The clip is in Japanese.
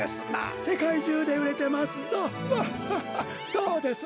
どうです？